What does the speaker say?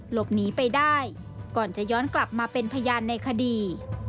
หลบหนีไปได้ก่อนจะย้อนกลับมาเป็นพยานในคดี